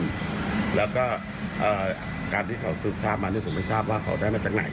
น้ำเสียงที่เราฟังเราเจ้าที่มีการเอาเสียงมามาเปิดให้ฟังไหม